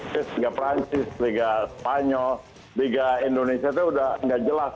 kira kira begitu lah